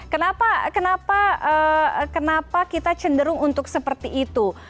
kenapa kita cenderung untuk seperti itu